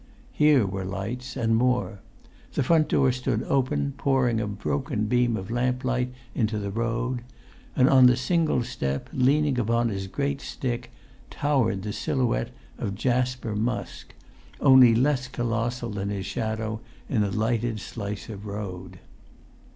Here were lights, and more. The front door stood open, pouring a broken beam of lamplight into the road. And on the single step,[Pg 194] leaning upon his great stick, towered the silhouette of Jasper Musk, only less colossal than his shadow in the lighted slice of road.